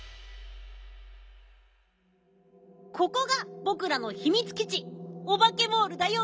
ここがぼくらのひみつきちオバケモールだよ。